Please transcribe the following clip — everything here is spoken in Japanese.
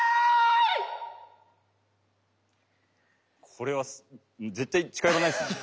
これは絶対近寄らないですね。